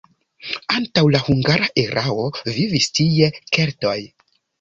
Antaŭ la hungara erao vivis tie keltoj.